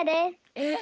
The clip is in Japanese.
えっ！？